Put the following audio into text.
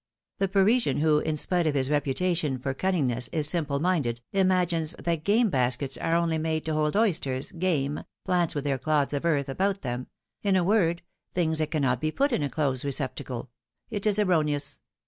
The Parisian who, in spite of his reputation for cunningness, is simple minded, 204 PHILOMi:XE^S MARRIAGES. imagines that game baskets are only made to hold oysters, game, plants with their clods of earth about them — in a word, things that cannot be put in a close receptacle : it is erroneous